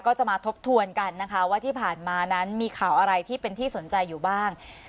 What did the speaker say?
ก็จะมาทบทวนกันนะคะว่าที่ผ่านมานั้นมีข่าวอะไรที่เป็นที่สนใจอยู่บ้าง